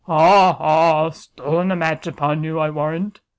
"Ha! ha! stolen a match upon you, I warrant!"